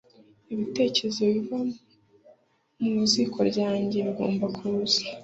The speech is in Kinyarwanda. ibitekerezo biva mu ziko ryanjye bigomba kuza;